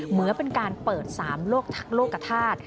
เหมือเป็นการเปิดสามโลกทักโลกกระทาส